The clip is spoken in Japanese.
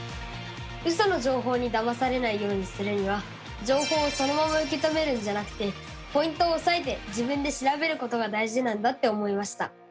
ウソの情報にだまされないようにするには情報をそのまま受け止めるんじゃなくてポイントをおさえて自分で調べることが大事なんだって思いました！